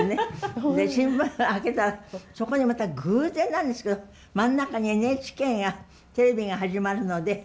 で新聞開けたらそこにまた偶然なんですけど真ん中に「ＮＨＫがテレビが始まるので募集する」と書いたのが出てたんです。